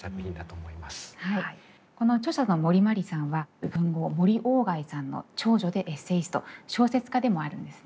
この著者の森茉莉さんは文豪森外さんの長女でエッセイスト小説家でもあるんですね。